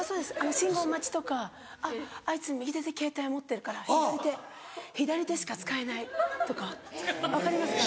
信号待ちとかあいつ右手でケータイ持ってるから左手左手しか使えない！とか分かりますか？